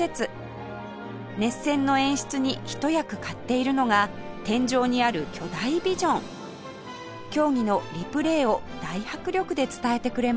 熱戦の演出に一役買っているのが天井にある巨大ビジョン競技のリプレーを大迫力で伝えてくれます